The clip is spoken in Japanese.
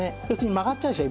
曲がっちゃうでしょ？